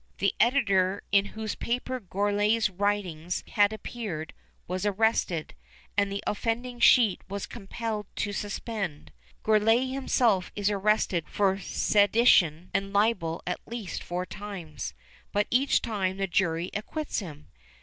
The editor in whose paper Gourlay's writings had appeared, was arrested, and the offending sheet was compelled to suspend. Gourlay himself is arrested for sedition and libel at least four times, but each time the jury acquits him.